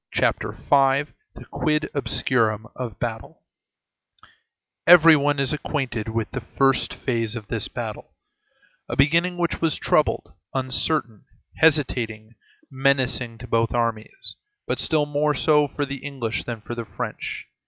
CHAPTER V—THE QUID OBSCURUM OF BATTLES Every one is acquainted with the first phase of this battle; a beginning which was troubled, uncertain, hesitating, menacing to both armies, but still more so for the English than for the French.